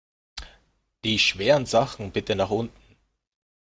Die schweren Sachen bitte nach unten!